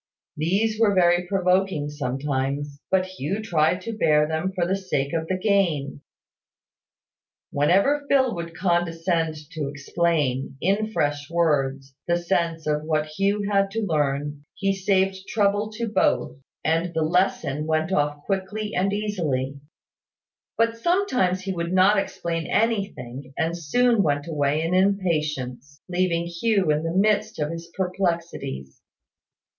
These were very provoking sometimes; but Hugh tried to bear them for the sake of the gain. Whenever Phil would condescend to explain, in fresh words, the sense of what Hugh had to learn, he saved trouble to both, and the lesson went off quickly and easily: but sometimes he would not explain anything, and soon went away in impatience, leaving Hugh in the midst of his perplexities.